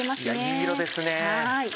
いい色ですね。